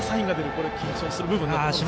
これ緊張する部分になりますかね。